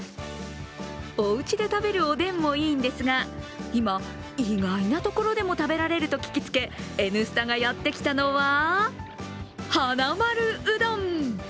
おうちで食べるおでんもいいんですが、今、意外なところでも食べられると聞きつけ「Ｎスタ」がやってきたのは、はなまるうどん。